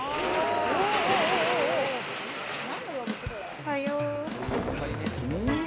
おはよう。